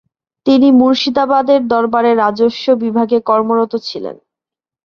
তিনি মুর্শিদাবাদের দরবারে রাজস্ব বিভাগে কর্মরত ছিলেন।